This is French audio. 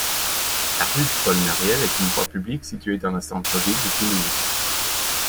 La rue Paul-Mériel est une voie publique située dans le centre-ville de Toulouse.